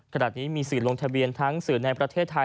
ขณะนี้มีสื่อลงทะเบียนทั้งสื่อในประเทศไทย